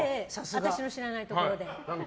私の知らないところで。